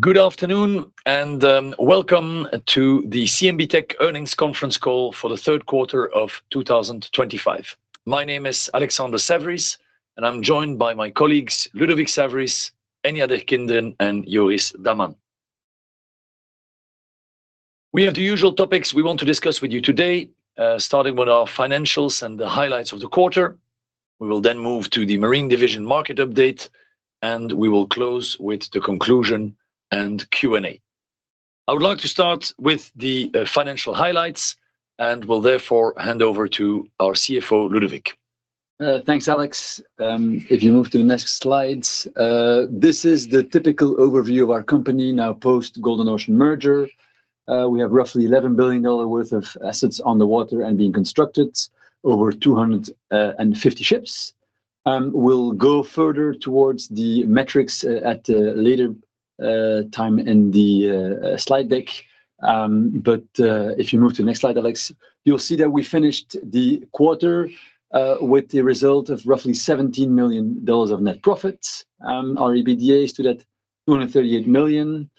Good afternoon and welcome to the CMB.TECH Earnings Conference Call for the Third Quarter of 2025. My name is Alexander Saverys, and I'm joined by my colleagues Ludovic Saverys, Enya Derkinderen, and Joris Daman. We have the usual topics we want to discuss with you today, starting with our financials and the highlights of the quarter. We will then move to the Marine Division market update, and we will close with the conclusion and Q&A. I would like to start with the financial highlights and will therefore hand over to our CFO, Ludovic. Thanks, Alex. If you move to the next slides, this is the typical overview of our company now post-Golden Ocean merger. We have roughly $11 billion worth of assets on the water and being constructed, over 250 ships. We'll go further towards the metrics at a later time in the slide deck. If you move to the next slide, Alex, you'll see that we finished the quarter with the result of roughly $17 million of net profits. Our EBITDA is still at $238 million,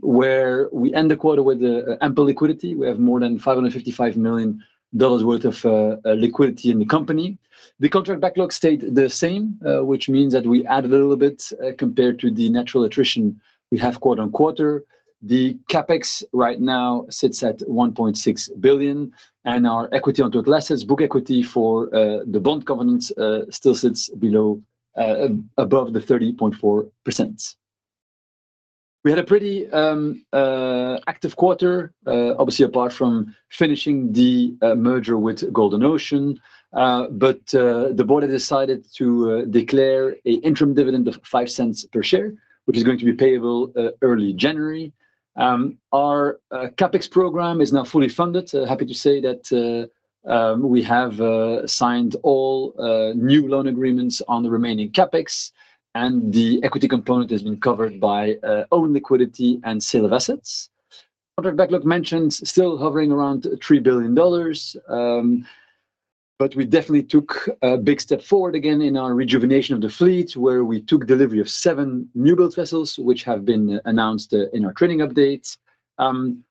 where we end the quarter with ample liquidity. We have more than $555 million worth of liquidity in the company. The contract backlog stayed the same, which means that we added a little bit compared to the natural attrition we have quarter on quarter. The CapEx right now sits at $1.6 billion, and our equity on total assets, book equity for the bond covenants still sits above the 30.4%. We had a pretty active quarter, obviously apart from finishing the merger with Golden Ocean, but the board has decided to declare an interim dividend of $0.05 per share, which is going to be payable early January. Our CapEx program is now fully funded. Happy to say that we have signed all new loan agreements on the remaining CapEx, and the equity component has been covered by own liquidity and sale of assets. Contract backlog mentioned still hovering around $3 billion, but we definitely took a big step forward again in our rejuvenation of the fleet, where we took delivery of seven new-built vessels, which have been announced in our training updates.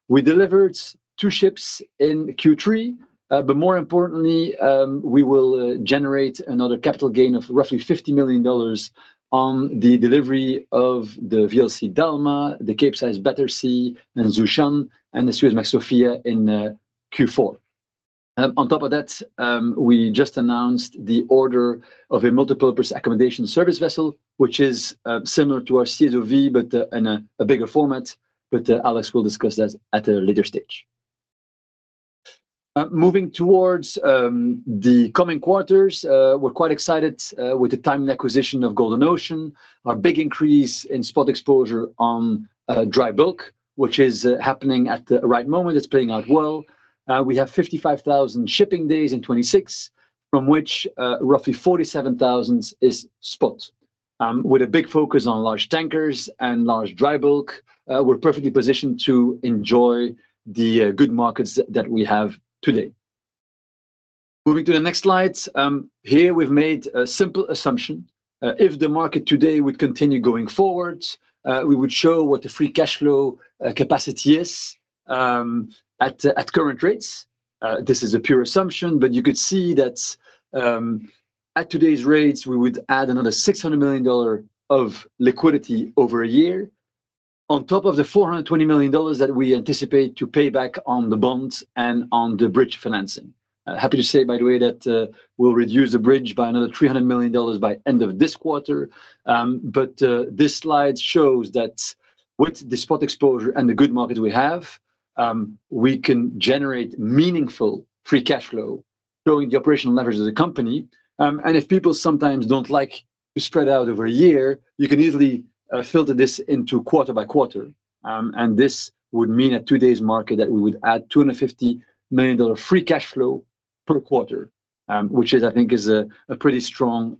We delivered two ships in Q3, but more importantly, we will generate another capital gain of roughly $50 million on the delivery of the VLCC Dalma, the Capesize Battersea, and Zhoushan, and the Suezmax Sofia in Q4. On top of that, we just announced the order of a multi-purpose accommodation service vessel, which is similar to our CSOV but in a bigger format. Alex will discuss that at a later stage. Moving towards the coming quarters, we're quite excited with the timely acquisition of Golden Ocean, our big increase in spot exposure on dry bulk, which is happening at the right moment. It's playing out well. We have 55,000 shipping days in 2026, from which roughly 47,000 is spot. With a big focus on large tankers and large dry bulk, we're perfectly positioned to enjoy the good markets that we have today. Moving to the next slides, here we've made a simple assumption. If the market today would continue going forward, we would show what the free cash flow capacity is at current rates. This is a pure assumption, but you could see that at today's rates, we would add another $600 million of liquidity over a year on top of the $420 million that we anticipate to pay back on the bonds and on the bridge financing. Happy to say, by the way, that we'll reduce the bridge by another $300 million by the end of this quarter. This slide shows that with the spot exposure and the good market we have, we can generate meaningful free cash flow showing the operational leverage of the company. If people sometimes don't like to spread out over a year, you can easily filter this into quarter by quarter. This would mean at today's market that we would add $250 million free cash flow per quarter, which I think is a pretty strong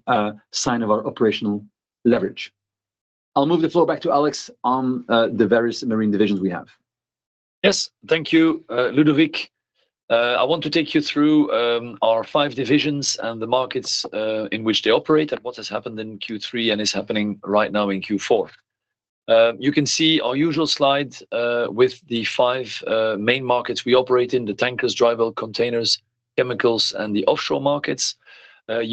sign of our operational leverage. I'll move the floor back to Alex on the various Marine divisions we have. Yes, thank you, Ludovic. I want to take you through our five divisions and the markets in which they operate and what has happened in Q3 and is happening right now in Q4. You can see our usual slide with the five main markets we operate in: the tankers, dry bulk, containers, chemicals, and the offshore markets.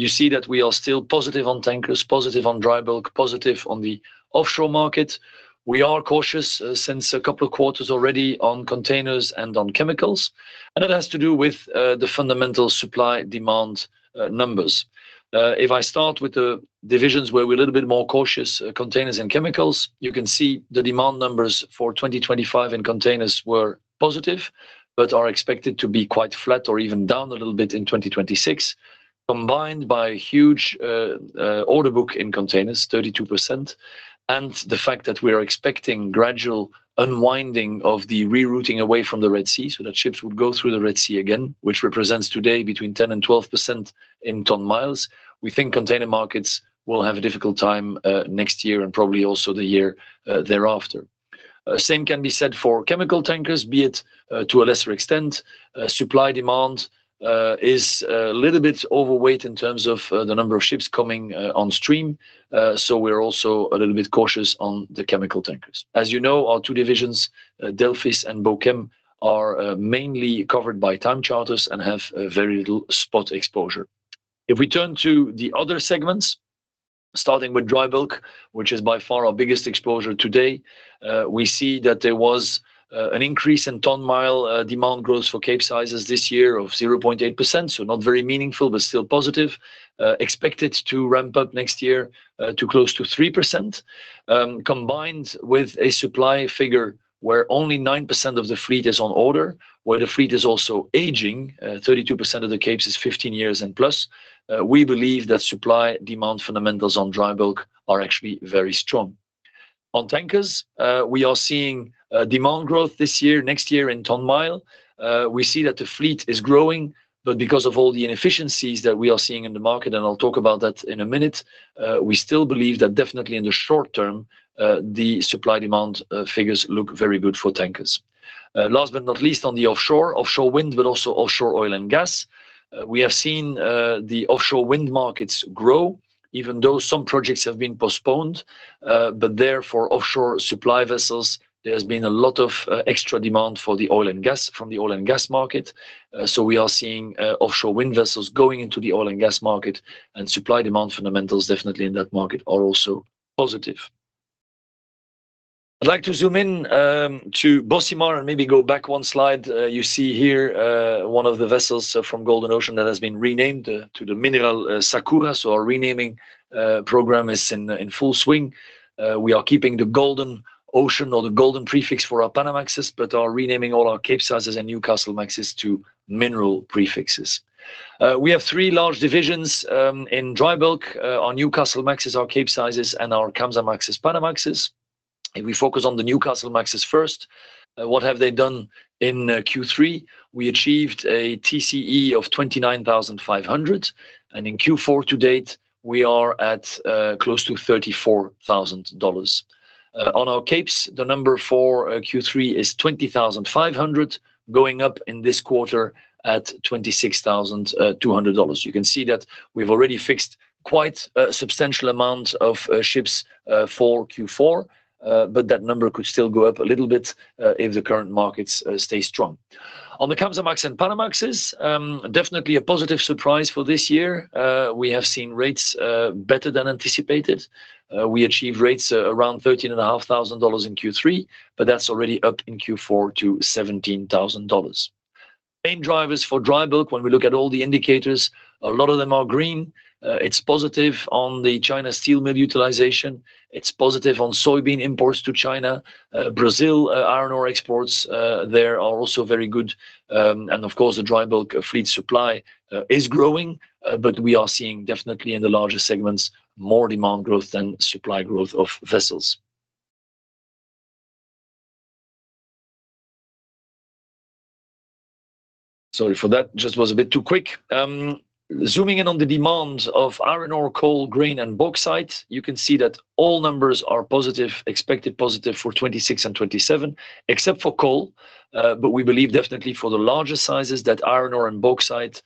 You see that we are still positive on tankers, positive on dry bulk, positive on the offshore market. We are cautious since a couple of quarters already on containers and on chemicals. That has to do with the fundamental supply demand numbers. If I start with the divisions where we're a little bit more cautious, containers and chemicals, you can see the demand numbers for 2025 in containers were positive but are expected to be quite flat or even down a little bit in 2026, combined by a huge order book in containers, 32%, and the fact that we are expecting gradual unwinding of the rerouting away from the Red Sea so that ships would go through the Red Sea again, which represents today between 10% and 12% in ton miles. We think container markets will have a difficult time next year and probably also the year thereafter. Same can be said for chemical tankers, be it to a lesser extent. Supply demand is a little bit overweight in terms of the number of ships coming on stream. So we're also a little bit cautious on the chemical tankers. As you know, our two divisions, Delphis and Bo-Kem, are mainly covered by time charters and have very little spot exposure. If we turn to the other segments, starting with dry bulk, which is by far our biggest exposure today, we see that there was an increase in ton mile demand growth for capesizes this year of 0.8%. Not very meaningful, but still positive. Expected to ramp up next year to close to 3%, combined with a supply figure where only 9% of the fleet is on order, where the fleet is also aging, 32% of the capes is 15 years and plus. We believe that supply demand fundamentals on dry bulk are actually very strong. On tankers, we are seeing demand growth this year, next year in ton mile. We see that the fleet is growing, but because of all the inefficiencies that we are seeing in the market, and I'll talk about that in a minute, we still believe that definitely in the short term, the supply demand figures look very good for tankers. Last but not least, on the offshore, offshore wind, but also offshore oil and gas. We have seen the offshore wind markets grow, even though some projects have been postponed. Therefore, offshore supply vessels, there has been a lot of extra demand for the oil and gas from the oil and gas market. We are seeing offshore wind vessels going into the oil and gas market, and supply demand fundamentals definitely in that market are also positive. I'd like to zoom in to Bossimar and maybe go back one slide. You see here one of the vessels from Golden Ocean that has been renamed to the Mineral Sakura. Our renaming program is in full swing. We are keeping the Golden Ocean or the Golden prefix for our Panamaxes, but are renaming all our Capesizes and Newcastlemaxes to Mineral prefixes. We have three large divisions in dry bulk: our Newcastlemaxes, our Capesizes, and our Kamsarmaxes, Panamaxes. If we focus on the Newcastlemaxes first, what have they done in Q3? We achieved a TCE of $29,500. In Q4 to date, we are at close to $34,000. On our Capes, the number for Q3 is $20,500, going up in this quarter at $26,200. You can see that we've already fixed quite a substantial amount of ships for Q4, but that number could still go up a little bit if the current markets stay strong. On the Kamsarmax and Panamaxes, definitely a positive surprise for this year. We have seen rates better than anticipated. We achieved rates around $13,500 in Q3, but that's already up in Q4 to $17,000. Main drivers for dry bulk, when we look at all the indicators, a lot of them are green. It's positive on the China steel mill utilization. It's positive on soybean imports to China. Brazil iron ore exports there are also very good. Of course, the dry bulk fleet supply is growing, but we are seeing definitely in the larger segments more demand growth than supply growth of vessels. Sorry for that. Just was a bit too quick. Zooming in on the demand of iron ore, coal, grain, and bauxite, you can see that all numbers are positive, expected positive for 2026 and 2027, except for coal. We believe definitely for the larger sizes that iron ore and bauxite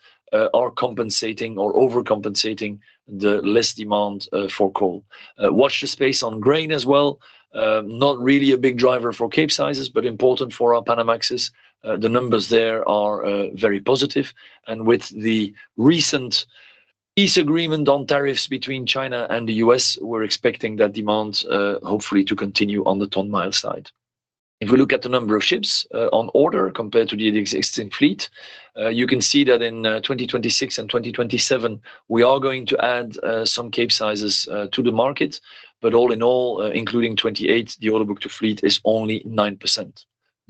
are compensating or overcompensating the less demand for coal. Watch the space on grain as well. Not really a big driver for cape sizes, but important for our Panamaxes. The numbers there are very positive. With the recent peace agreement on tariffs between China and the US, we're expecting that demand hopefully to continue on the ton mile side. If we look at the number of ships on order compared to the existing fleet, you can see that in 2026 and 2027, we are going to add some cape sizes to the market. All in all, including 2028, the order book to fleet is only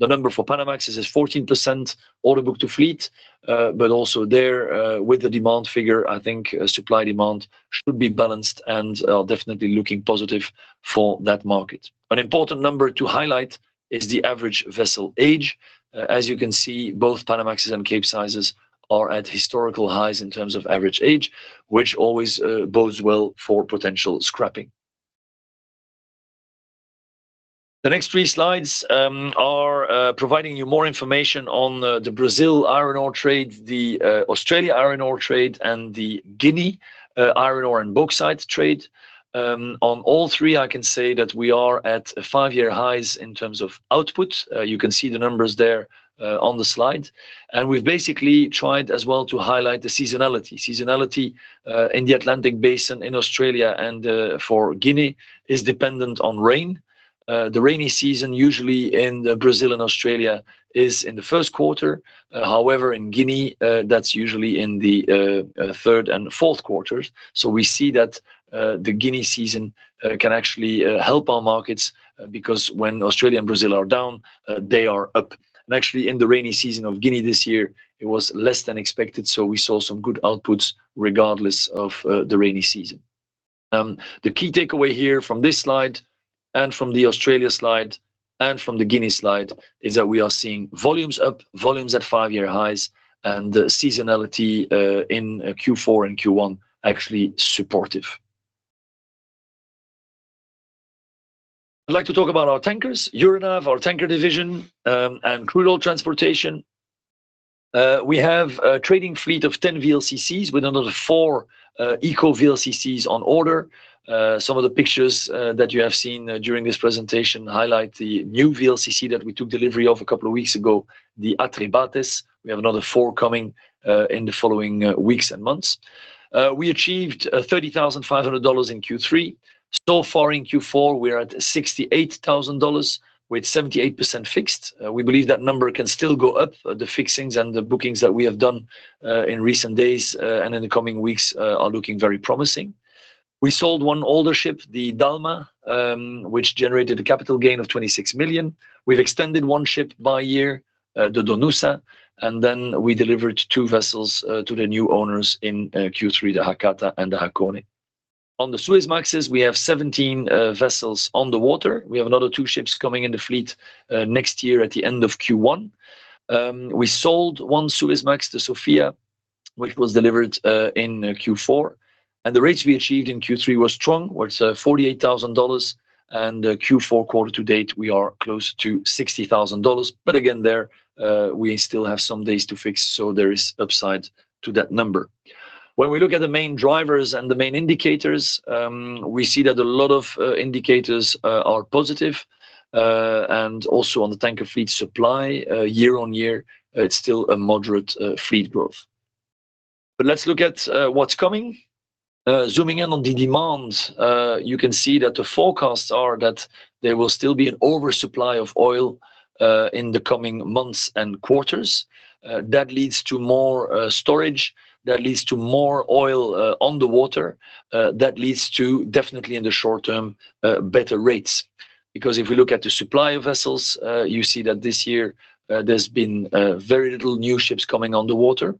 9%. The number for Panamaxes is 14% order book to fleet. Also there, with the demand figure, I think supply demand should be balanced and definitely looking positive for that market. An important number to highlight is the average vessel age. As you can see, both Panamaxes and Capesizes are at historical highs in terms of average age, which always bodes well for potential scrapping. The next three slides are providing you more information on the Brazil iron ore trade, the Australia iron ore trade, and the Guinea iron ore and bauxite trade. On all three, I can say that we are at five-year highs in terms of output. You can see the numbers there on the slide. We have basically tried as well to highlight the seasonality. Seasonality in the Atlantic Basin in Australia and for Guinea is dependent on rain. The rainy season usually in Brazil and Australia is in the first quarter. However, in Guinea, that's usually in the third and fourth quarters. We see that the Guinea season can actually help our markets because when Australia and Brazil are down, they are up. Actually, in the rainy season of Guinea this year, it was less than expected. We saw some good outputs regardless of the rainy season. The key takeaway here from this slide and from the Australia slide and from the Guinea slide is that we are seeing volumes up, volumes at five-year highs, and the seasonality in Q4 and Q1 actually supportive. I'd like to talk about our tankers, Euronav, our tanker division, and crude oil transportation. We have a trading fleet of 10 VLCCs with another four Eco VLCCs on order. Some of the pictures that you have seen during this presentation highlight the new VLCC that we took delivery of a couple of weeks ago, the Atrebates. We have another four coming in the following weeks and months. We achieved $30,500 in Q3. So far in Q4, we're at $68,000 with 78% fixed. We believe that number can still go up. The fixings and the bookings that we have done in recent days and in the coming weeks are looking very promising. We sold one older ship, the Dalma, which generated a capital gain of $26 million. We've extended one ship by year, the Donusa, and then we delivered two vessels to the new owners in Q3, the Hakata and the Hakone. On the Suezmaxes, we have 17 vessels on the water. We have another two ships coming in the fleet next year at the end of Q1. We sold one Suezmax, the Sofia, which was delivered in Q4. The rates we achieved in Q3 were strong, worth $48,000. In Q4 quarter to date, we are close to $60,000. There we still have some days to fix, so there is upside to that number. When we look at the main drivers and the main indicators, we see that a lot of indicators are positive. Also on the tanker fleet supply, year on year, it is still a moderate fleet growth. Let's look at what is coming. Zooming in on the demand, you can see that the forecasts are that there will still be an oversupply of oil in the coming months and quarters. That leads to more storage. That leads to more oil on the water. That leads to definitely in the short term, better rates. Because if we look at the supply of vessels, you see that this year there's been very little new ships coming on the water.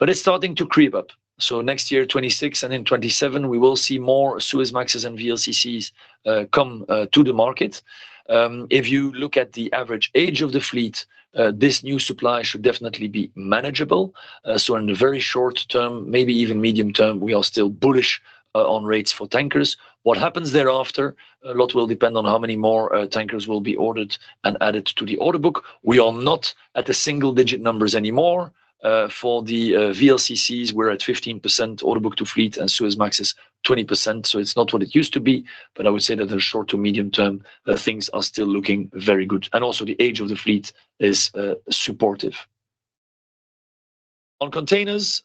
It is starting to creep up. Next year, 2026, and in 2027, we will see more Suezmaxes and VLCCs come to the market. If you look at the average age of the fleet, this new supply should definitely be manageable. In the very short term, maybe even medium term, we are still bullish on rates for tankers. What happens thereafter, a lot will depend on how many more tankers will be ordered and added to the order book. We are not at the single-digit numbers anymore. For the VLCCs, we're at 15% order book to fleet and Suezmaxes, 20%. It is not what it used to be. I would say that in the short to medium term, things are still looking very good. Also, the age of the fleet is supportive. On containers,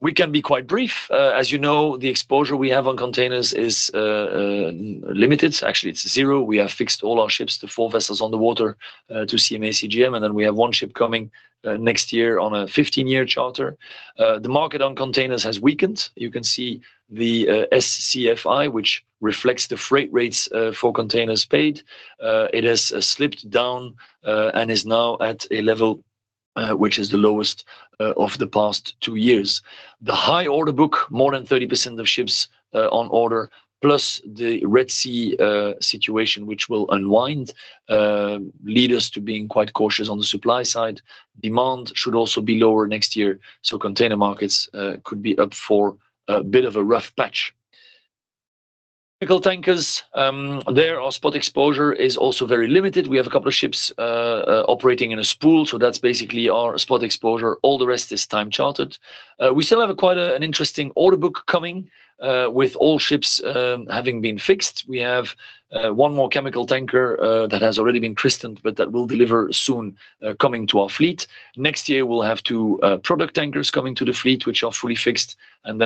we can be quite brief. As you know, the exposure we have on containers is limited. Actually, it's zero. We have fixed all our ships, the four vessels on the water to CMA CGM. We have one ship coming next year on a 15-year charter. The market on containers has weakened. You can see the SCFI, which reflects the freight rates for containers paid. It has slipped down and is now at a level which is the lowest of the past two years. The high order book, more than 30% of ships on order, plus the Red Sea situation, which will unwind, leads us to being quite cautious on the supply side. Demand should also be lower next year. Container markets could be up for a bit of a rough patch. Chemical tankers, their spot exposure is also very limited. We have a couple of ships operating in a spool. That is basically our spot exposure. All the rest is time chartered. We still have quite an interesting order book coming with all ships having been fixed. We have one more chemical tanker that has already been christened, but that will deliver soon coming to our fleet. Next year, we will have two product tankers coming to the fleet, which are fully fixed.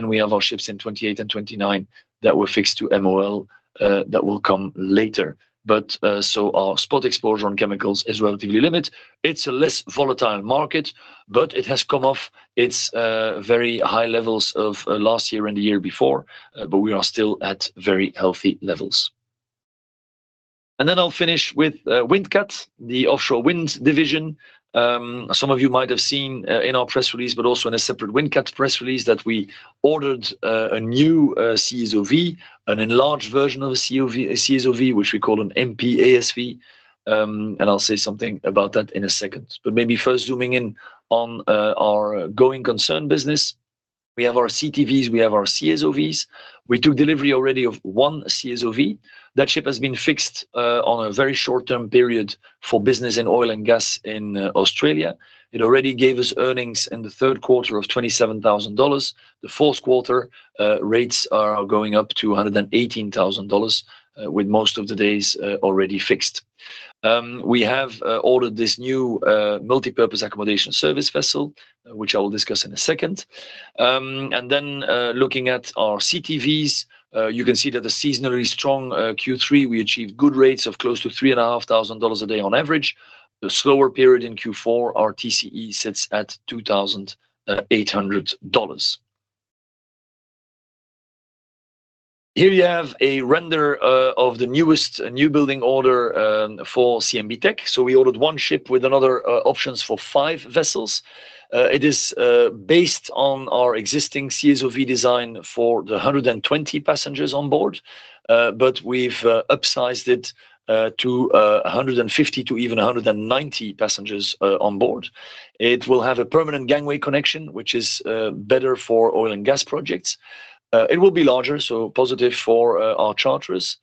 We have our ships in 2028 and 2029 that were fixed to MOL that will come later. Our spot exposure on chemicals is relatively limited. It is a less volatile market, but it has come off its very high levels of last year and the year before. We are still at very healthy levels. I'll finish with Windcat, the offshore wind division. Some of you might have seen in our press release, but also in a separate Windcat press release, that we ordered a new CSOV, an enlarged version of a CSOV, which we call an MPASV. I'll say something about that in a second. Maybe first zooming in on our going concern business. We have our CTVs. We have our CSOVs. We took delivery already of one CSOV. That ship has been fixed on a very short-term period for business in oil and gas in Australia. It already gave us earnings in the third quarter of $27,000. The fourth quarter, rates are going up to $118,000 with most of the days already fixed. We have ordered this new multipurpose accommodation service vessel, which I will discuss in a second. Looking at our CTVs, you can see that the seasonally strong Q3, we achieved good rates of close to $3,500 a day on average. The slower period in Q4, our TCE sits at $2,800. Here you have a render of the newest new building order for CMB.TECH. We ordered one ship with another options for five vessels. It is based on our existing CSOV design for the 120 passengers on board, but we've upsized it to 150 to even 190 passengers on board. It will have a permanent gangway connection, which is better for oil and gas projects. It will be larger, so positive for our charters.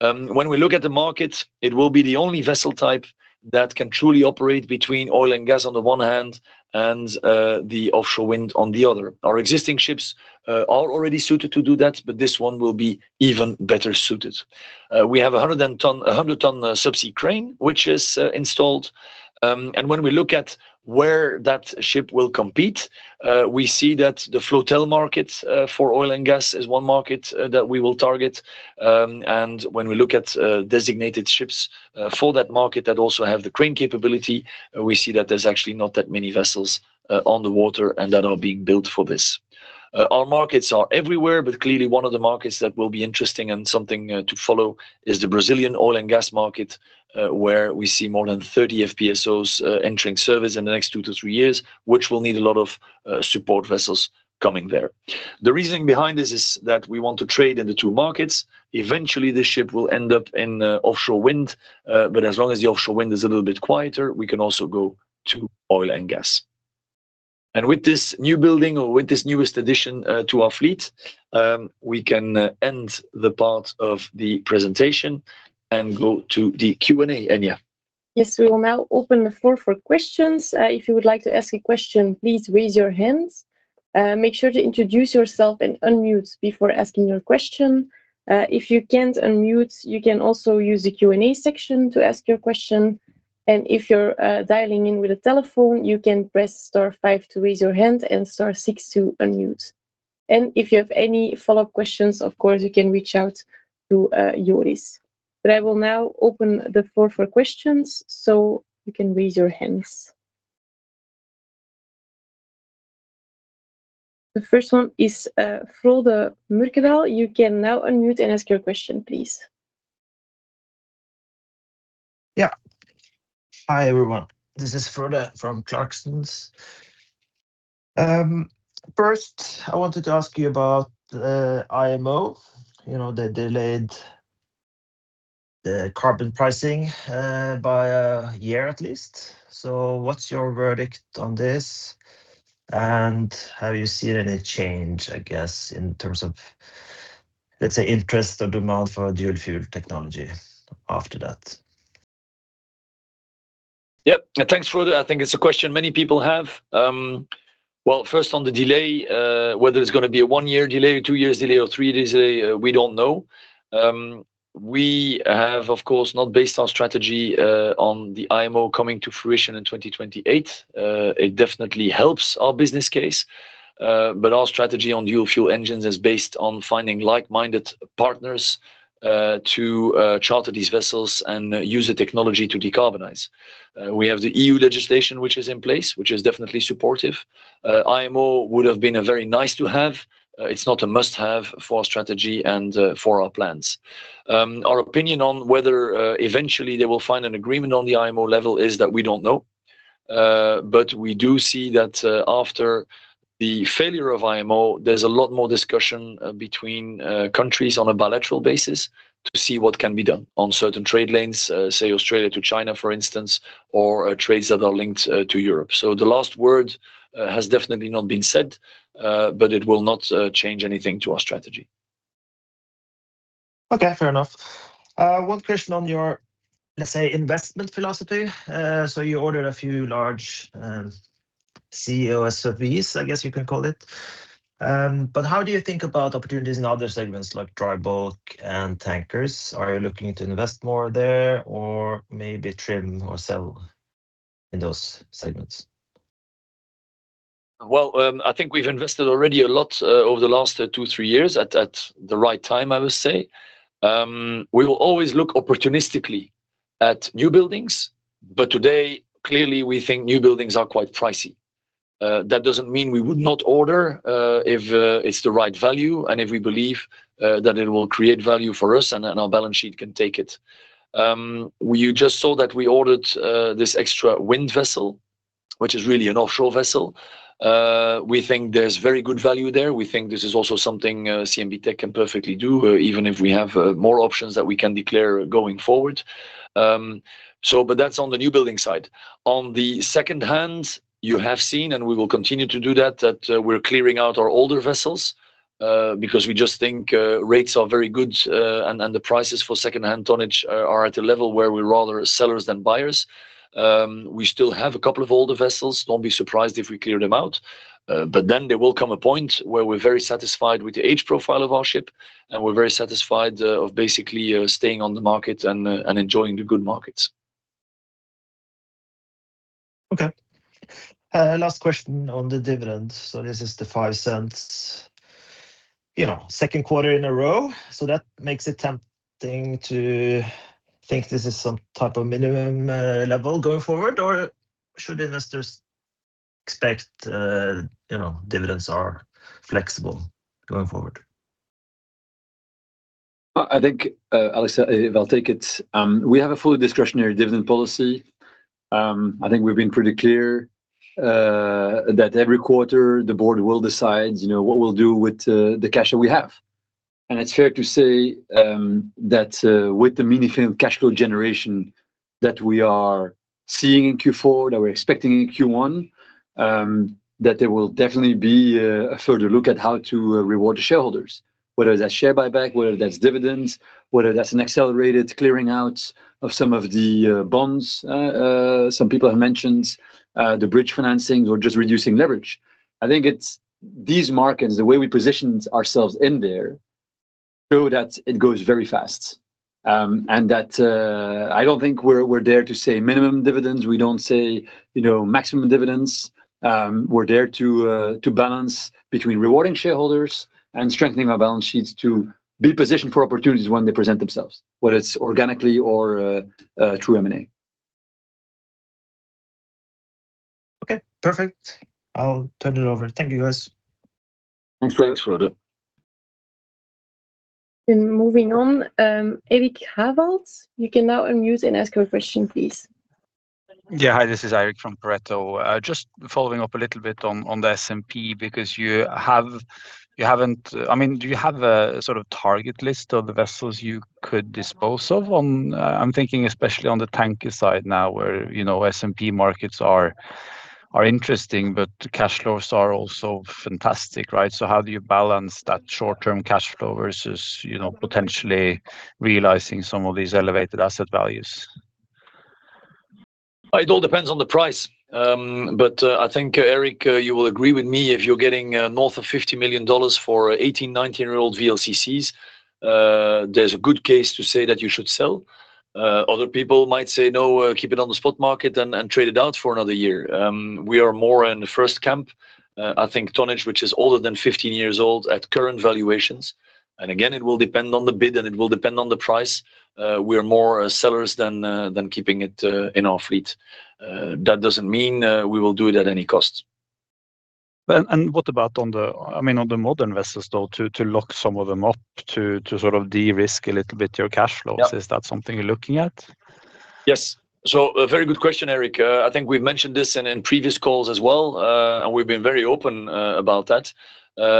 When we look at the market, it will be the only vessel type that can truly operate between oil and gas on the one hand and the offshore wind on the other. Our existing ships are already suited to do that, but this one will be even better suited. We have a 100-ton subsea crane, which is installed. When we look at where that ship will compete, we see that the flotile market for oil and gas is one market that we will target. When we look at designated ships for that market that also have the crane capability, we see that there's actually not that many vessels on the water and that are being built for this. Our markets are everywhere, but clearly one of the markets that will be interesting and something to follow is the Brazilian oil and gas market, where we see more than 30 FPSOs entering service in the next two to three years, which will need a lot of support vessels coming there. The reasoning behind this is that we want to trade in the two markets. Eventually, this ship will end up in offshore wind. As long as the offshore wind is a little bit quieter, we can also go to oil and gas. With this new building or with this newest addition to our fleet, we can end the part of the presentation and go to the Q&A, Enya. Yes, we will now open the floor for questions. If you would like to ask a question, please raise your hand. Make sure to introduce yourself and unmute before asking your question. If you can't unmute, you can also use the Q&A section to ask your question. If you're dialing in with a telephone, you can press star five to raise your hand and star six to unmute. If you have any follow-up questions, of course, you can reach out to Joris. I will now open the floor for questions, so you can raise your hands. The first one is Frode Mørkedal. You can now unmute and ask your question, please. Yeah. Hi, everyone. This is Frode from Clarksons. First, I wanted to ask you about IMO, the delayed carbon pricing by a year at least. What's your verdict on this? Have you seen any change, I guess, in terms of, let's say, interest or demand for a dual-fuel technology after that? Yep. Thanks, Frode. I think it's a question many people have. First, on the delay, whether it's going to be a one-year delay, two-year delay, or three-year delay, we don't know. We have, of course, not based our strategy on the IMO coming to fruition in 2028. It definitely helps our business case. But our strategy on dual-fuel engines is based on finding like-minded partners to charter these vessels and use the technology to decarbonize. We have the EU legislation, which is in place, which is definitely supportive. IMO would have been a very nice-to-have. It's not a must-have for our strategy and for our plans. Our opinion on whether eventually they will find an agreement on the IMO level is that we don't know. But we do see that after the failure of IMO, there's a lot more discussion between countries on a bilateral basis to see what can be done on certain trade lanes, say, Australia to China, for instance, or trades that are linked to Europe. The last word has definitely not been said, but it will not change anything to our strategy. Okay, fair enough. One question on your, let's say, investment philosophy. So you ordered a few large CSOVs, I guess you can call it. But how do you think about opportunities in other segments like dry bulk and tankers? Are you looking to invest more there or maybe trim or sell in those segments? I think we've invested already a lot over the last two, three years at the right time, I would say. We will always look opportunistically at new buildings. Today, clearly, we think new buildings are quite pricey. That does not mean we would not order if it's the right value and if we believe that it will create value for us and our balance sheet can take it. You just saw that we ordered this extra wind vessel, which is really an offshore vessel. We think there's very good value there. We think this is also something CMB.TECH can perfectly do, even if we have more options that we can declare going forward. That is on the new building side. On the second hand, you have seen, and we will continue to do that, that we're clearing out our older vessels because we just think rates are very good and the prices for second-hand tonnage are at a level where we're rather sellers than buyers. We still have a couple of older vessels. Do not be surprised if we clear them out. There will come a point where we're very satisfied with the age profile of our ship, and we're very satisfied of basically staying on the market and enjoying the good markets. Okay. Last question on the dividend. This is the $0.05 second quarter in a row. That makes it tempting to think this is some type of minimum level going forward, or should investors expect dividends are flexible going forward? I think, Alex, if I'll take it, we have a fully discretionary dividend policy. I think we've been pretty clear that every quarter, the board will decide what we'll do with the cash that we have. It's fair to say that with the meaningful cash flow generation that we are seeing in Q4, that we're expecting in Q1, there will definitely be a further look at how to reward the shareholders, whether that's share buyback, whether that's dividends, whether that's an accelerated clearing out of some of the bonds. Some people have mentioned the bridge financing or just reducing leverage. I think these markets, the way we positioned ourselves in there, show that it goes very fast. I do not think we are there to say minimum dividends. We do not say maximum dividends. We are there to balance between rewarding shareholders and strengthening our balance sheets to be positioned for opportunities when they present themselves, whether it is organically or through M&A. Okay. Perfect. I will turn it over. Thank you, guys. Thanks, Frode. Moving on, Eirik Haavaldsen, you can now unmute and ask your question, please. Yeah. Hi, this is Eirik from Pareto. Just following up a little bit on the S&P because you have not—I mean, do you have a sort of target list of the vessels you could dispose of? I am thinking especially on the tanker side now where S&P markets are interesting, but cash flows are also fantastic, right? How do you balance that short-term cash flow versus potentially realizing some of these elevated asset values? It all depends on the price. I think, Eirik, you will agree with me. If you're getting north of $50 million for 18, 19-year-old VLCCs, there's a good case to say that you should sell. Other people might say, "No, keep it on the spot market and trade it out for another year." We are more in the first camp, I think, tonnage, which is older than 15 years old at current valuations. Again, it will depend on the bid and it will depend on the price. We are more sellers than keeping it in our fleet. That doesn't mean we will do it at any cost. What about on the—I mean, on the modern vessels, though, to lock some of them up to sort of de-risk a little bit your cash flows? Is that something you're looking at? Yes. A very good question, Eirik. I think we've mentioned this in previous calls as well, and we've been very open about that.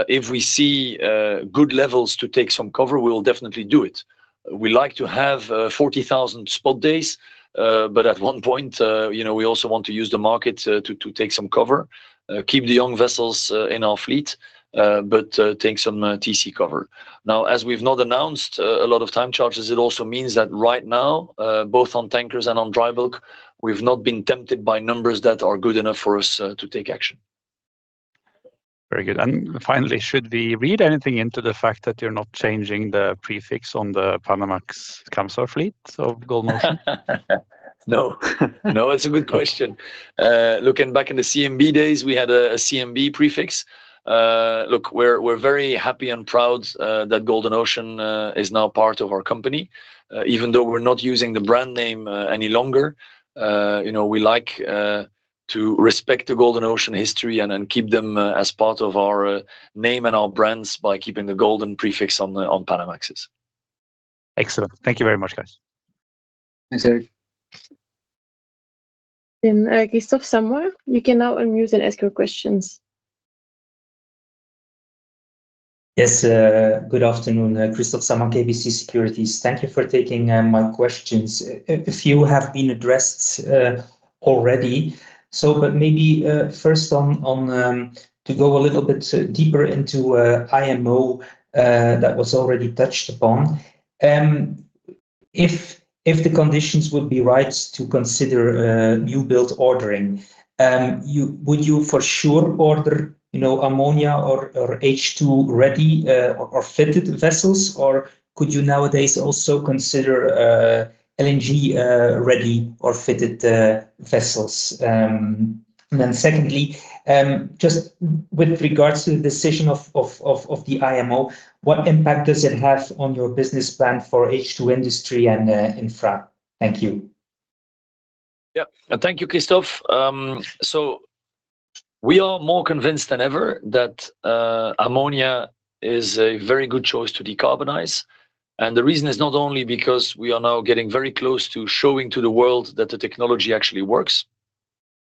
If we see good levels to take some cover, we'll definitely do it. We like to have 40,000 spot days, but at one point, we also want to use the market to take some cover, keep the young vessels in our fleet, but take some TC cover. Now, as we've not announced a lot of time charters, it also means that right now, both on tankers and on dry bulk, we've not been tempted by numbers that are good enough for us to take action. Very good. Finally, should we read anything into the fact that you're not changing the prefix on the Panamax Kamsar fleet of Golden Ocean? No. No, that's a good question. Looking back in the CMB days, we had a CMB prefix. Look, we're very happy and proud that Golden Ocean is now part of our company. Even though we're not using the brand name any longer, we like to respect the Golden Ocean history and keep them as part of our name and our brands by keeping the golden prefix on Panamaxes. Excellent. Thank you very much, guys. Thanks, Eirik. Kristof Samoy, you can now unmute and ask your questions. Yes. Good afternoon, Kristof Samoy, KBC Securities. Thank you for taking my questions. A few have been addressed already. Maybe first to go a little bit deeper into IMO that was already touched upon. If the conditions would be right to consider new build ordering, would you for sure order ammonia or H2 ready or fitted vessels, or could you nowadays also consider LNG ready or fitted vessels? Then secondly, just with regards to the decision of the IMO, what impact does it have on your business plan for H2 industry and infra? Thank you. Yeah. Thank you, Kristof. We are more convinced than ever that ammonia is a very good choice to decarbonize. The reason is not only because we are now getting very close to showing to the world that the technology actually works,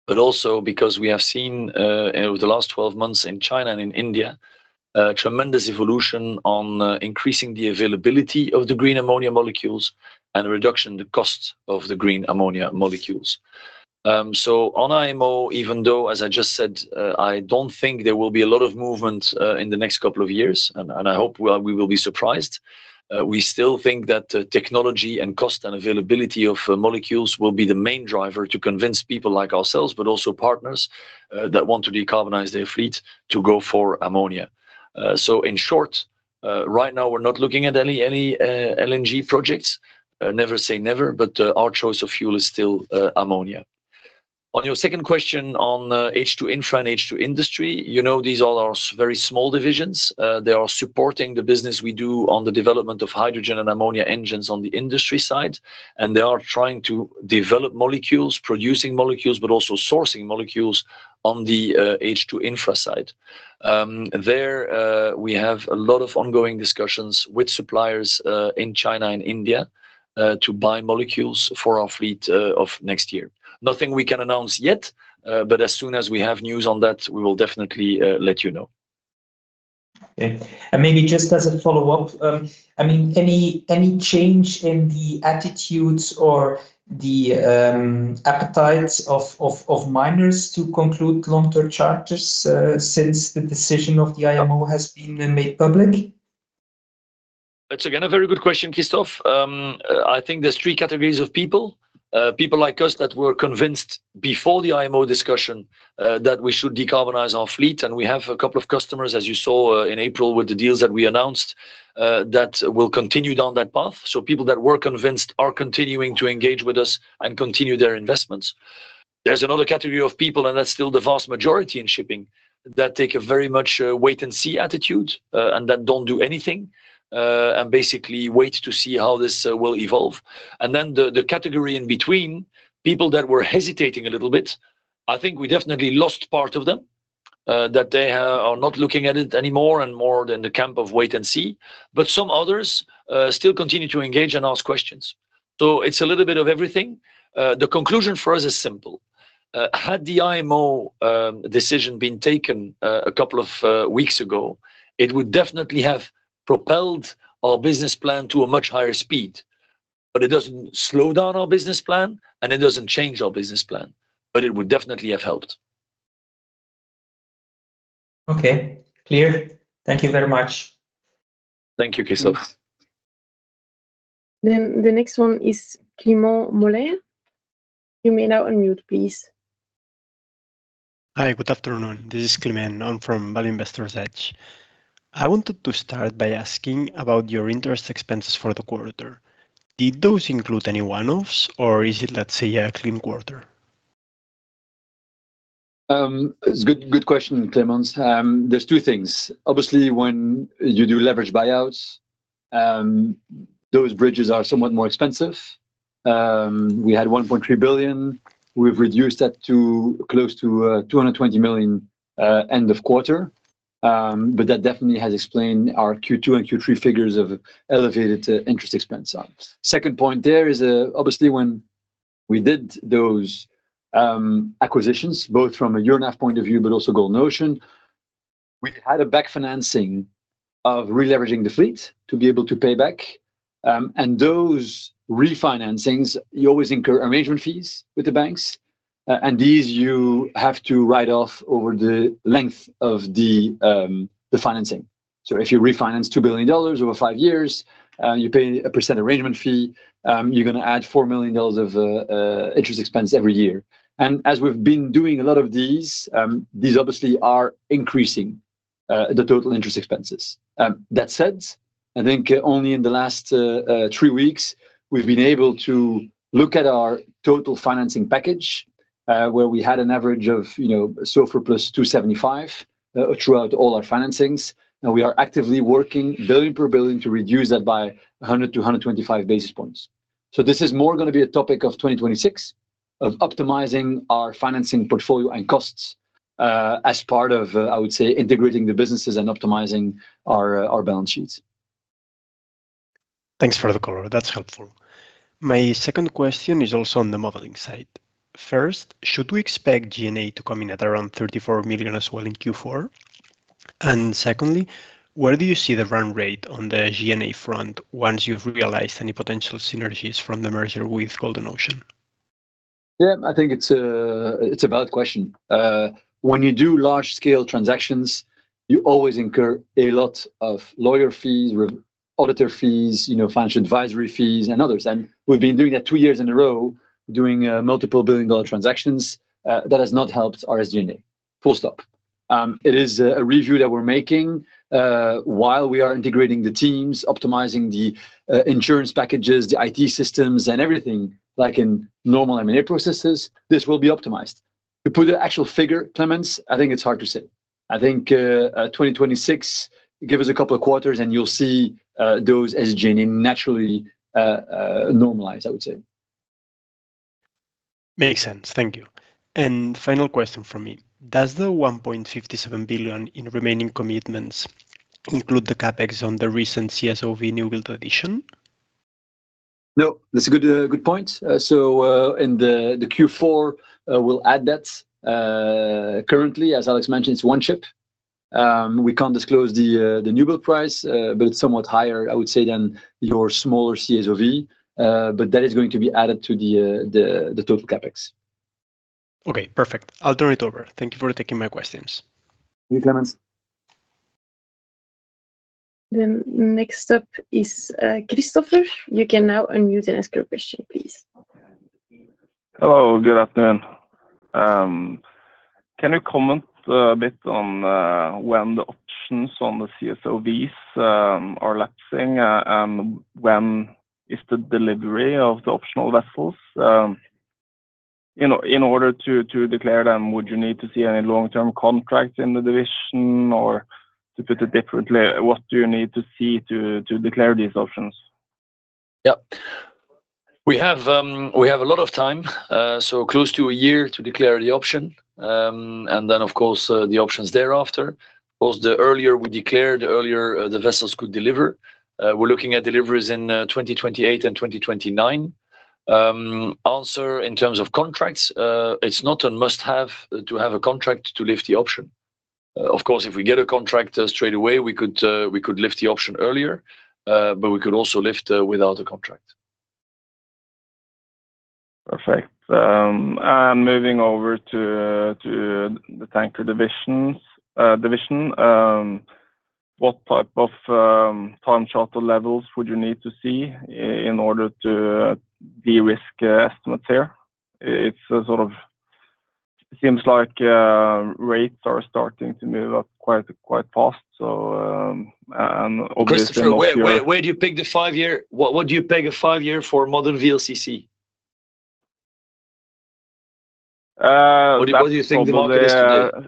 but also because we have seen over the last 12 months in China and in India a tremendous evolution on increasing the availability of the green ammonia molecules and reduction in the cost of the green ammonia molecules. On IMO, even though, as I just said, I do not think there will be a lot of movement in the next couple of years, and I hope we will be surprised, we still think that technology and cost and availability of molecules will be the main driver to convince people like ourselves, but also partners that want to decarbonize their fleet to go for ammonia. In short, right now, we are not looking at any LNG projects. Never say never, but our choice of fuel is still ammonia. On your second question on H2 infra and H2 industry, these all are very small divisions. They are supporting the business we do on the development of hydrogen and ammonia engines on the industry side, and they are trying to develop molecules, producing molecules, but also sourcing molecules on the H2 infra side. There, we have a lot of ongoing discussions with suppliers in China and India to buy molecules for our fleet of next year. Nothing we can announce yet, but as soon as we have news on that, we will definitely let you know. Okay. Maybe just as a follow-up, I mean, any change in the attitudes or the appetites of miners to conclude long-term charges since the decision of the IMO has been made public? That's again a very good question, Kristof. I think there's three categories of people, people like us that were convinced before the IMO discussion that we should decarbonize our fleet. We have a couple of customers, as you saw in April with the deals that we announced, that will continue down that path. People that were convinced are continuing to engage with us and continue their investments. There's another category of people, and that's still the vast majority in shipping, that take a very much wait-and-see attitude and that don't do anything and basically wait to see how this will evolve. The category in between, people that were hesitating a little bit, I think we definitely lost part of them, that they are not looking at it anymore and more in the camp of wait-and-see, but some others still continue to engage and ask questions. It's a little bit of everything. The conclusion for us is simple. Had the IMO decision been taken a couple of weeks ago, it would definitely have propelled our business plan to a much higher speed. It doesn't slow down our business plan, and it doesn't change our business plan, but it would definitely have helped. Okay. Clear. Thank you very much. Thank you, Kristof. The next one is Climent Molins. You may now unmute, please. Hi, good afternoon. This is Climent. I'm from Value Investors Edge. I wanted to start by asking about your interest expenses for the quarter. Did those include any one-offs, or is it, let's say, a clean quarter? It's a good question, Climent. There are two things. Obviously, when you do leverage buyouts, those bridges are somewhat more expensive. We had $1.3 billion. We've reduced that to close to $220 million end of quarter. That definitely has explained our Q2 and Q3 figures of elevated interest expense. Second point there is, obviously, when we did those acquisitions, both from a year-and-a-half point of view, but also Golden Ocean, we had a back financing of re-leveraging the fleet to be able to pay back. Those refinancings, you always incur arrangement fees with the banks, and these you have to write off over the length of the financing. If you refinance $2 billion over five years, you pay a percent arrangement fee, you're going to add $4 million of interest expense every year. As we've been doing a lot of these, these obviously are increasing the total interest expenses. That said, I think only in the last three weeks, we've been able to look at our total financing package, where we had an average of SOFR plus 275 throughout all our financings. We are actively working billion per billion to reduce that by 100-125 basis points. This is more going to be a topic of 2026, of optimizing our financing portfolio and costs as part of, I would say, integrating the businesses and optimizing our balance sheets. Thanks for the call. That's helpful. My second question is also on the modeling side. First, should we expect G&A to come in at around $34 million as well in Q4? Secondly, where do you see the run rate on the G&A front once you've realized any potential synergies from the merger with Golden Ocean? Yeah, I think it's a valid question. When you do large-scale transactions, you always incur a lot of lawyer fees, auditor fees, financial advisory fees, and others. We've been doing that two years in a row, doing multiple billion-dollar transactions. That has not helped our G&A. Full stop. It is a review that we're making while we are integrating the teams, optimizing the insurance packages, the IT systems, and everything like in normal M&A processes. This will be optimized. To put an actual figure, Climent, I think it's hard to say. I think 2026, give us a couple of quarters, and you'll see those as G&A naturally normalized, I would say. Makes sense. Thank you. Final question from me. Does the $1.57 billion in remaining commitments include the CapEx on the recent CSOV new build addition? No, that's a good point. In the Q4, we'll add that. Currently, as Alex mentioned, it's one ship. We can't disclose the new build price, but it's somewhat higher, I would say, than your smaller CSOV. That is going to be added to the total CapEx. Okay. Perfect. I'll turn it over. Thank you for taking my questions. Thank you, Climent. Next up is Kristoffer. You can now unmute and ask your question, please. Hello. Good afternoon. Can you comment a bit on when the options on the CSOVs are lapsing and when is the delivery of the optional vessels? In order to declare them, would you need to see any long-term contract in the division, or to put it differently, what do you need to see to declare these options? Yeah. We have a lot of time, so close to a year to declare the option. And then, of course, the options thereafter. Of course, the earlier we declare, the earlier the vessels could deliver. We're looking at deliveries in 2028 and 2029. Answer in terms of contracts, it's not a must-have to have a contract to lift the option. Of course, if we get a contract straight away, we could lift the option earlier, but we could also lift without a contract. Perfect. Moving over to the tanker division. What type of time charter levels would you need to see in order to de-risk estimates here? It seems like rates are starting to move up quite fast, so. Kristoffer, where do you peg the five-year? What do you peg a five-year for modern VLCC? What do you think the market is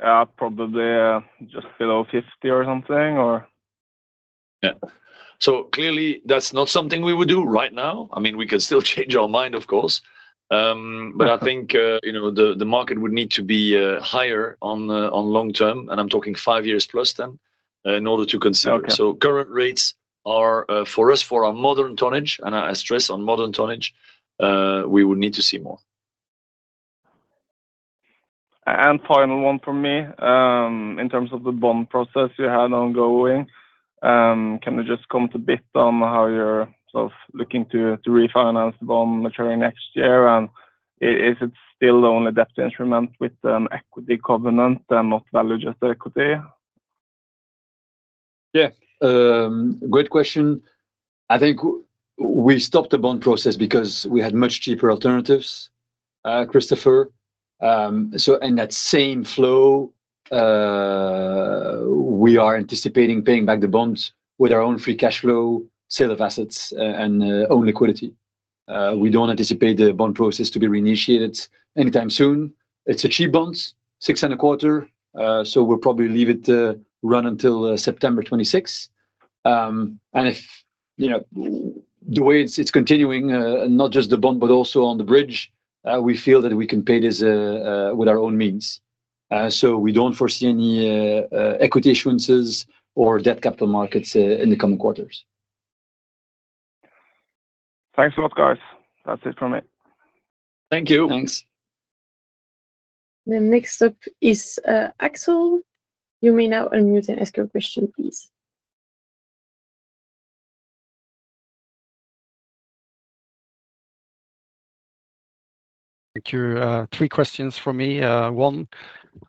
today? Probably just below 50 or something, or? Yeah. Clearly, that's not something we would do right now. I mean, we can still change our mind, of course. I think the market would need to be higher on long-term, and I'm talking five years plus then in order to consider. Current rates are for us, for our modern tonnage, and I stress on modern tonnage, we would need to see more. Final one from me. In terms of the bond process you had ongoing, can you just comment a bit on how you're sort of looking to refinance the bond maturing next year? Is it still the only debt instrument with an equity covenant and not value, just equity? Yeah. Great question. I think we stopped the bond process because we had much cheaper alternatives, Kristoffer. In that same flow, we are anticipating paying back the bonds with our own free cash flow, sale of assets, and own liquidity. We do not anticipate the bond process to be reinitiated anytime soon. It is a cheap bond, six and a quarter, so we will probably leave it to run until September 2026. The way it is continuing, not just the bond, but also on the bridge, we feel that we can pay this with our own means. We do not foresee any equity issuances or debt capital markets in the coming quarters. Thanks a lot, guys. That is it from me. Thank you. Thanks. Next up is Axel. You may now unmute and ask your question, please. Thank you. Three questions for me. One,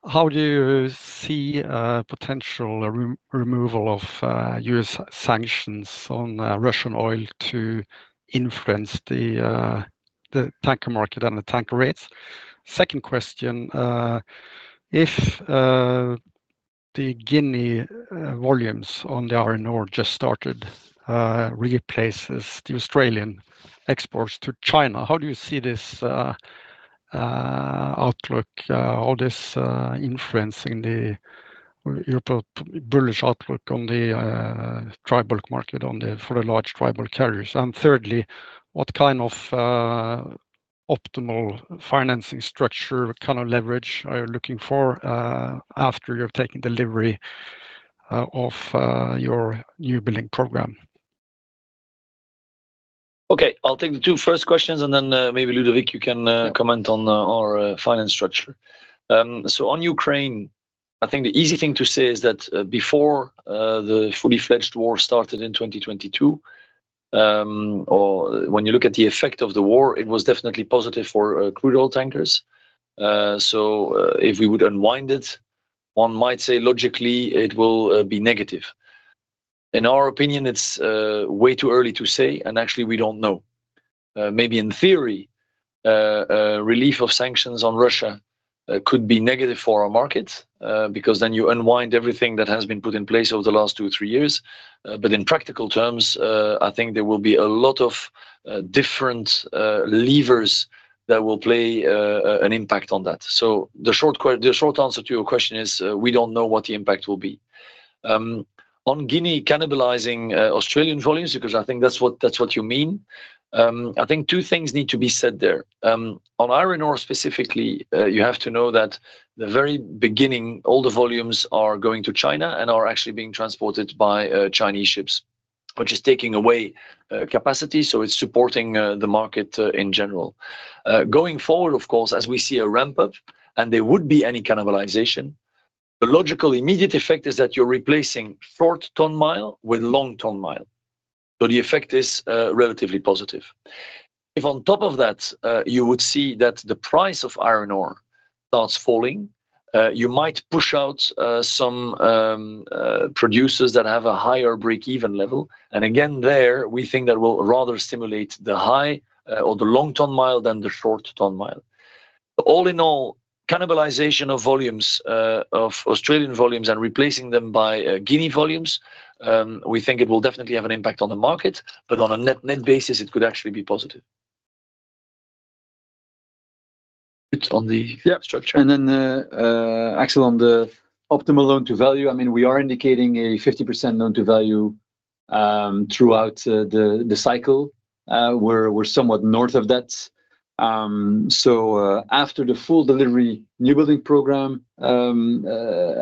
how do you see potential removal of U.S. sanctions on Russian oil to influence the tanker market and the tanker rates? Second question, if the Guinea volumes on the R&R just started really replaces the Australian exports to China, how do you see this outlook, all this influencing the bullish outlook on the dry bulk market for the large dry bulk carriers? And thirdly, what kind of optimal financing structure, what kind of leverage are you looking for after you've taken delivery of your newbuilding program? Okay. I'll take the two first questions, and then maybe Ludovic, you can comment on our finance structure. On Ukraine, I think the easy thing to say is that before the fully fledged war started in 2022, or when you look at the effect of the war, it was definitely positive for crude oil tankers. If we would unwind it, one might say logically it will be negative. In our opinion, it's way too early to say, and actually we don't know. Maybe in theory, relief of sanctions on Russia could be negative for our market because then you unwind everything that has been put in place over the last two, three years. In practical terms, I think there will be a lot of different levers that will play an impact on that. The short answer to your question is we don't know what the impact will be. On Guinea cannibalizing Australian volumes, because I think that's what you mean, I think two things need to be said there. On R&R specifically, you have to know that at the very beginning, all the volumes are going to China and are actually being transported by Chinese ships, which is taking away capacity. It is supporting the market in general. Going forward, of course, as we see a ramp-up and there would be any cannibalization, the logical immediate effect is that you're replacing short ton mile with long ton mile. The effect is relatively positive. If on top of that, you would see that the price of R&R starts falling, you might push out some producers that have a higher break-even level. Again, there, we think that will rather stimulate the high or the long ton mile than the short ton mile. All in all, cannibalization of volumes, of Australian volumes, and replacing them by Guinea volumes, we think it will definitely have an impact on the market, but on a net basis, it could actually be positive. It is on the structure. Axel, on the optimal loan-to-value, I mean, we are indicating a 50% loan-to-value throughout the cycle. We are somewhat north of that. After the full delivery new building program is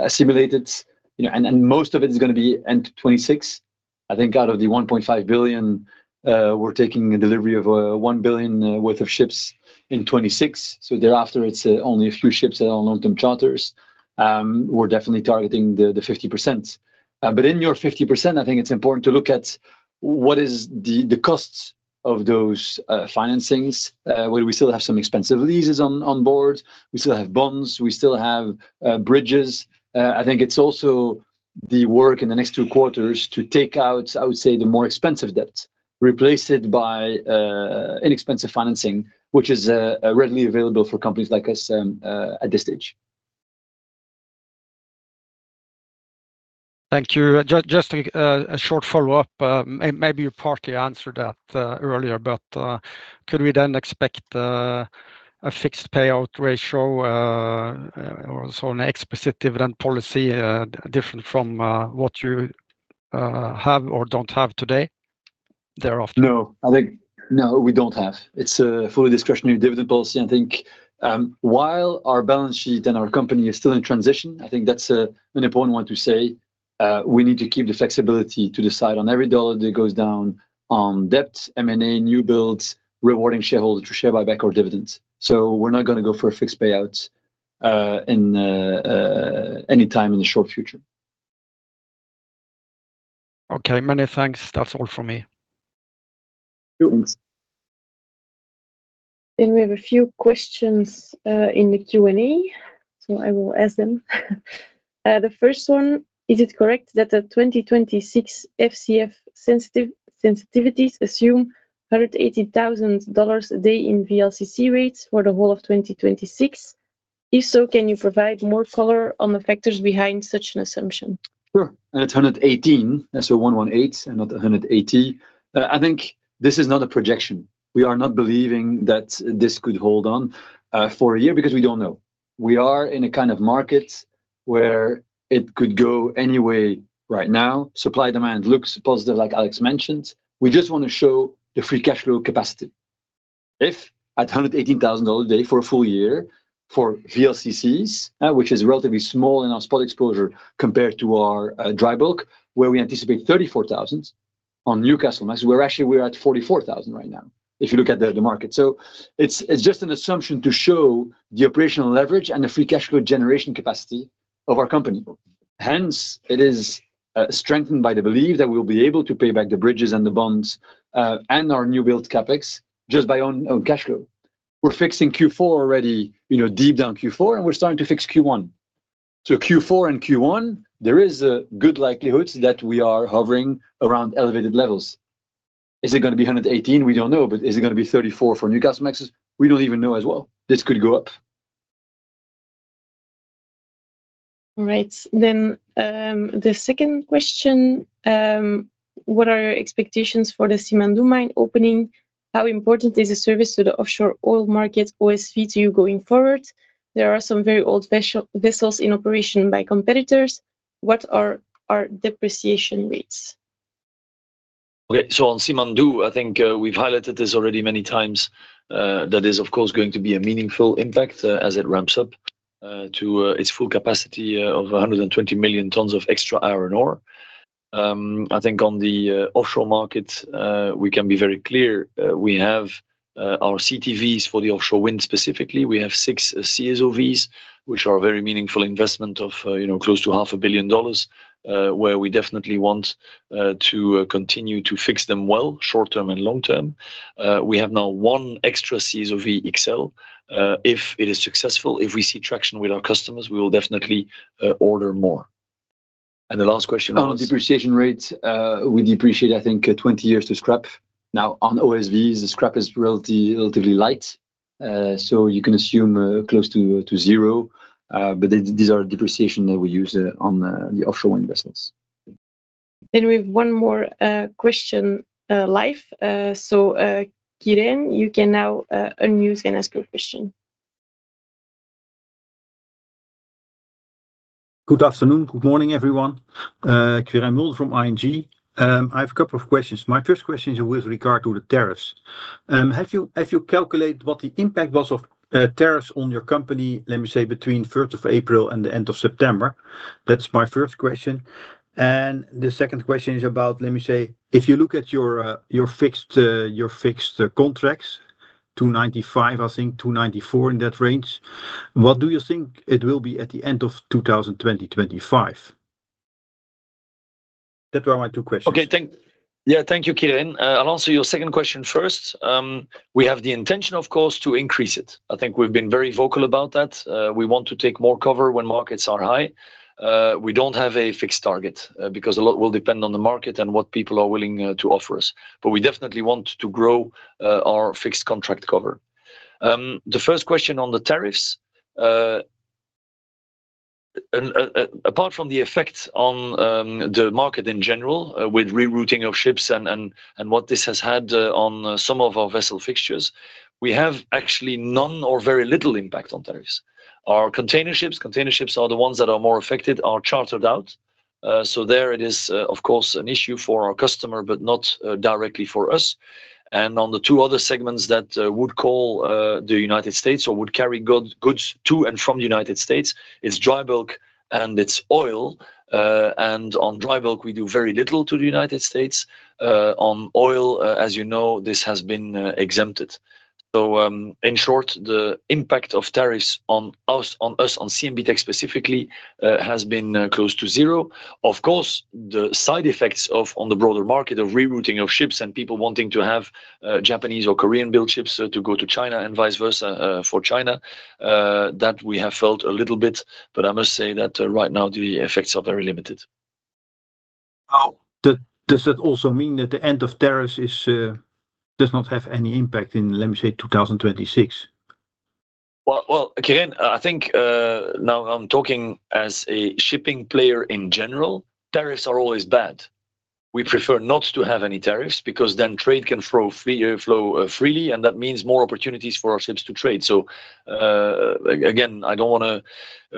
assimilated, and most of it is going to be end 2026, I think out of the $1.5 billion, we are taking delivery of $1 billion worth of ships in 2026. Thereafter, it is only a few ships that are on long-term charters. We are definitely targeting the 50%. In your 50%, I think it is important to look at what is the cost of those financings. We still have some expensive leases on board. We still have bonds. We still have bridges. I think it's also the work in the next two quarters to take out, I would say, the more expensive debt, replace it by inexpensive financing, which is readily available for companies like us at this stage. Thank you. Just a short follow-up. Maybe you partly answered that earlier, but could we then expect a fixed payout ratio or an explicit dividend policy different from what you have or don't have today thereafter? No, I think no, we don't have. It's a fully discretionary dividend policy. I think while our balance sheet and our company is still in transition, I think that's an important one to say. We need to keep the flexibility to decide on every dollar that goes down on debt, M&A, new builds, rewarding shareholders to share buyback or dividends. We're not going to go for a fixed payout anytime in the short future. Okay. Many thanks. That's all from me. Thanks. We have a few questions in the Q&A, so I will ask them. The first one, is it correct that the 2026 FCF sensitivities assume $118,000 a day in VLCC rates for the whole of 2026? If so, can you provide more color on the factors behind such an assumption? Sure. And it's 118, so 118 and not 180. I think this is not a projection. We are not believing that this could hold on for a year because we don't know. We are in a kind of market where it could go any way right now. Supply demand looks positive, like Alex mentioned. We just want to show the free cash flow capacity. If at $118,000 a day for a full year for VLCCs, which is relatively small in our spot exposure compared to our dry bulk, where we anticipate $34,000 on Newcastlemax, where actually we're at $44,000 right now if you look at the market. It is just an assumption to show the operational leverage and the free cash flow generation capacity of our company. Hence, it is strengthened by the belief that we'll be able to pay back the bridges and the bonds and our new build CapEx just by own cash flow. We're fixing Q4 already deep down Q4, and we're starting to fix Q1. Q4 and Q1, there is a good likelihood that we are hovering around elevated levels. Is it going to be 118? We don't know. Is it going to be 34 for Newcastlemax? We don't even know as well. This could go up. All right. The second question, what are your expectations for the Simandou mine opening? How important is the service to the offshore oil market OSV to you going forward? There are some very old vessels in operation by competitors. What are our depreciation rates? On Simandou, I think we've highlighted this already many times. That is, of course, going to be a meaningful impact as it ramps up to its full capacity of 120 million tons of extra R&R. I think on the offshore market, we can be very clear. We have our CTVs for the offshore wind specifically. We have six CSOVs, which are a very meaningful investment of close to $500,000,000, where we definitely want to continue to fix them well, short term and long term. We have now one extra CSOV XL. If it is successful, if we see traction with our customers, we will definitely order more. The last question was on depreciation rates. We depreciate, I think, 20 years to scrap. Now, on OSVs, the scrap is relatively light, so you can assume close to zero. These are depreciation that we use on the offshore wind vessels. We have one more question live. Quirijn, you can now unmute and ask your question. Good afternoon. Good morning, everyone. Quirijn Mulder from ING. I have a couple of questions. My first question is with regard to the tariffs. Have you calculated what the impact was of tariffs on your company, let me say, between 1st of April and the end of September? That's my first question. The second question is about, let me say, if you look at your fixed contracts, 295, I think, 294 in that range, what do you think it will be at the end of 2025? That were my two questions. Okay. Yeah. Thank you, Quirijn. I'll answer your second question first. We have the intention, of course, to increase it. I think we've been very vocal about that. We want to take more cover when markets are high. We don't have a fixed target because a lot will depend on the market and what people are willing to offer us. We definitely want to grow our fixed contract cover. The first question on the tariffs, apart from the effect on the market in general with rerouting of ships and what this has had on some of our vessel fixtures, we have actually none or very little impact on tariffs. Our container ships, container ships are the ones that are more affected, are chartered out. There it is, of course, an issue for our customer, but not directly for us. On the two other segments that would call the United States or would carry goods to and from the United States, it is dry bulk and it is oil. On dry bulk, we do very little to the United States. On oil, as you know, this has been exempted. In short, the impact of tariffs on us, on CMB.TECH specifically, has been close to zero. Of course, the side effects on the broader market of rerouting of ships and people wanting to have Japanese or Korean-built ships to go to China and vice versa for China, that we have felt a little bit. I must say that right now, the effects are very limited. Does that also mean that the end of tariffs does not have any impact in, let me say, 2026? Quirijn, I think now I'm talking as a shipping player in general, tariffs are always bad. We prefer not to have any tariffs because then trade can flow freely, and that means more opportunities for our ships to trade. Again, I don't want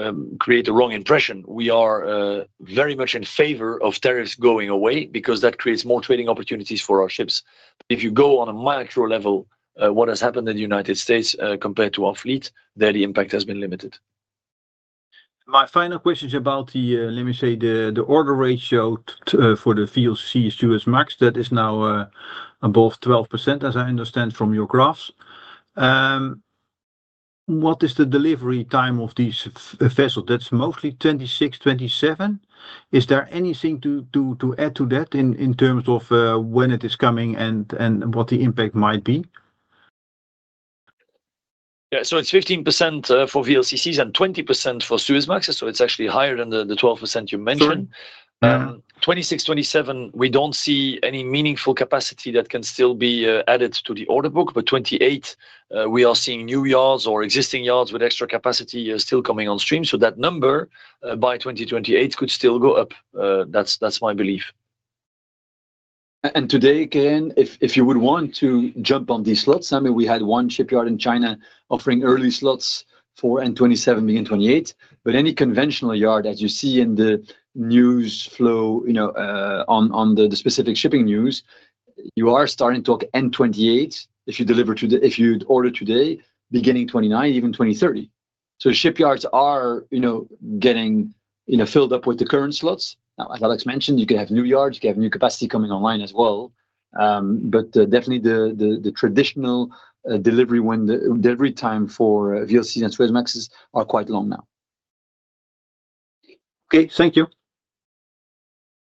to create a wrong impression. We are very much in favor of tariffs going away because that creates more trading opportunities for our ships. If you go on a macro level, what has happened in the United States compared to our fleet, there the impact has been limited. My final question is about the, let me say, the order ratio for the VLCCs to Suezmax. That is now above 12%, as I understand from your graphs. What is the delivery time of these vessels? That's mostly 2026, 2027. Is there anything to add to that in terms of when it is coming and what the impact might be? Yeah. So it's 15% for VLCCs and 20% for Suezmax. So it's actually higher than the 12% you mentioned. 2026, 2027, we don't see any meaningful capacity that can still be added to the order book. 2028, we are seeing new yards or existing yards with extra capacity still coming on stream. So that number by 2028 could still go up. That's my belief. And today, Quirijn, if you would want to jump on these slots, I mean, we had one shipyard in China offering early slots for N27 beginning 2028. Any conventional yard, as you see in the news flow on the specific shipping news, you are starting to talk N28 if you deliver to the if you'd order today, beginning 2029, even 2030. Shipyards are getting filled up with the current slots. Now, as Alex mentioned, you can have new yards, you can have new capacity coming online as well. Definitely the traditional delivery window, delivery time for VLCCs and Suezmaxes are quite long now. Okay. Thank you.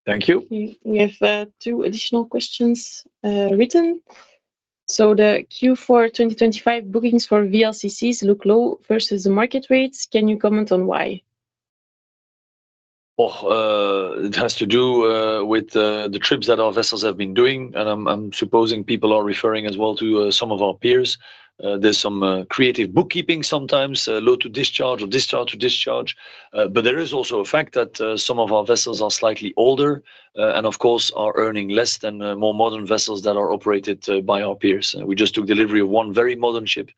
Thank you. We have two additional questions written. The Q4 2025 bookings for VLCCs look low versus the market rates. Can you comment on why? It has to do with the trips that our vessels have been doing. I'm supposing people are referring as well to some of our peers. There's some creative bookkeeping sometimes, load to discharge or discharge to discharge. There is also a fact that some of our vessels are slightly older and, of course, are earning less than more modern vessels that are operated by our peers. We just took delivery of one very modern ship,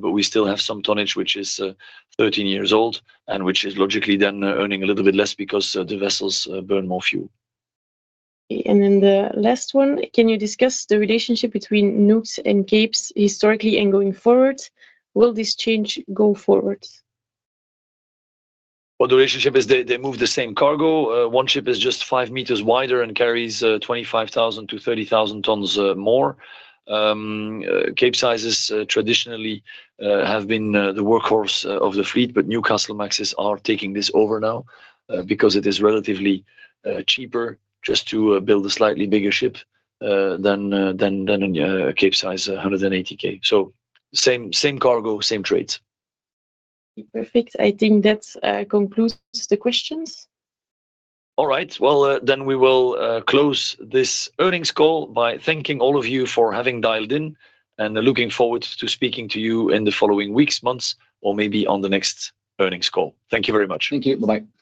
but we still have some tonnage, which is 13 years old and which is logically then earning a little bit less because the vessels burn more fuel. The last one, can you discuss the relationship between nukes and capes historically and going forward? Will this change going forward? The relationship is they move the same cargo. One ship is just five meters wider and carries 25,000-30,000 tons more. Cape sizes traditionally have been the workhorse of the fleet, but Newcastlemaxes are taking this over now because it is relatively cheaper just to build a slightly bigger ship than a cape size 180K. Same cargo, same trades. Perfect. I think that concludes the questions. All right. We will close this earnings call by thanking all of you for having dialed in and looking forward to speaking to you in the following weeks, months, or maybe on the next earnings call. Thank you very much. Thank you. Bye-bye.